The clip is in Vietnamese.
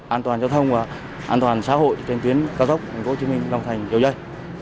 an toàn giao thông và an toàn xã hội trên tuyến cao tốc tp hcm long thành dầu dây